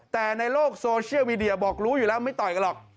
แต่ในโลกโซเชียลมีเดียบอกรู้อยู่แล้วไม่ต่อยกันหรอก